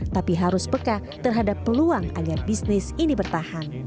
tapi harus peka terhadap peluang agar bisnis ini bertahan